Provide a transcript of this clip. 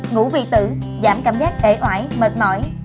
ngủ vị tử giảm cảm giác ế oải mệt mỏi